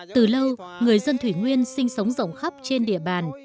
từ lâu người dân thủy nguyên sinh sống rộng khắp trên địa bàn